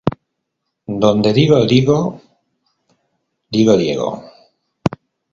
Donde dije digo, digo Diego